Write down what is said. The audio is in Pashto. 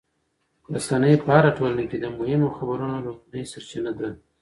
رسنۍ په هره ټولنه کې د مهمو خبرونو لومړنۍ سرچینه ده.